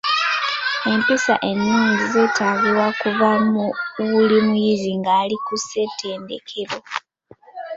Empisa ennungi zeetaagibwa okuva mu buli muyizi nga ali ku ssettendekero.